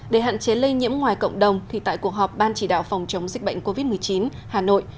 để hạn chế lây nhiễm ngoài cộng đồng thì tại cuộc họp ban chỉ đạo phòng chống dịch bệnh covid một mươi chín hà nội